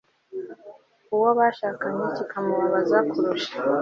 uwo bashakanye kikamubabaza kurusha